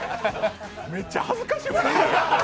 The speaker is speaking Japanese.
めっちゃ恥ずかしいわ。